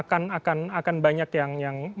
akan banyak yang